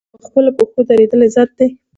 په خپلو پښو دریدل عزت دی